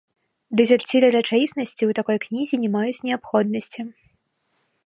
Дэзерціры рэчаіснасці ў такой кнізе не маюць неабходнасці.